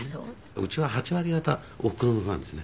うちは８割方おふくろなんですね。